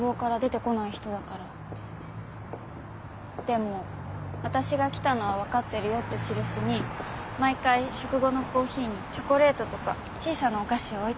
でも私が来たのはわかってるよってしるしに毎回食後のコーヒーにチョコレートとか小さなお菓子を置いてくれるの。